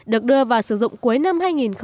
được đưa vào sử dụng cuối năm hai nghìn một mươi tám